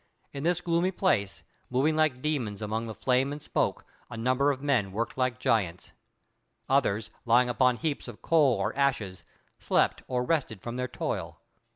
In this gloomy place, moving like demons among the flame and smoke, a number of men worked like giants. Others, lying upon heaps of coals or ashes, slept or rested from their toil.